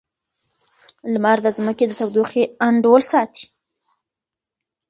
لمر د ځمکې د تودوخې انډول ساتي.